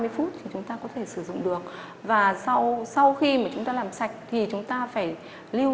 ba mươi phút thì chúng ta có thể sử dụng được và sau khi mà chúng ta làm sạch thì chúng ta phải lưu